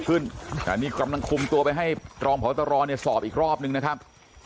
มีการขึ้นอันนี้กำลังคุมตัวไปให้รองผอตรสอบอีกรอบนึงนะครับ